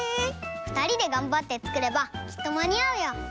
ふたりでがんばってつくればきっとまにあうよ！